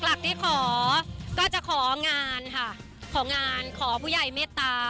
หลักที่ขอก็จะของานค่ะของานขอผู้ใหญ่เมตตา